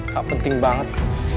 tak penting banget